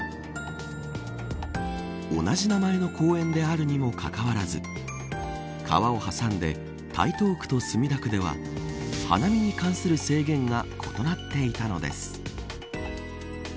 同じ名前の公園であるにもかかわらず川を挟んで台東区と墨田区では花見に関する制限が異なっていたのです。